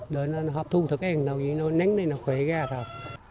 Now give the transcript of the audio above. để nó hợp thu thức ăn nánh lên nó khỏe ra thôi